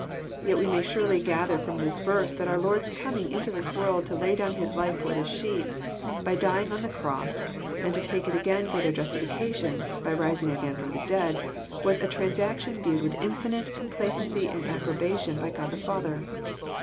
— Yet we may surely gather from this verse that our Lord's coming into this world to lay down His life for the sheep, by dying on the cross, and to take it again for their Justification, by rising again ftom the dead, was a transaction viewed with infinite complacency and approbation by God the Father.